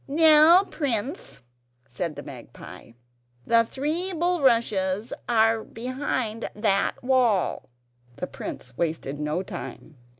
"Now, prince," said the magpie, "the three bulrushes are behind that wall." The prince wasted no time.